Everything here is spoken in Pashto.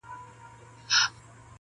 o هر څوک له بل لرې دي,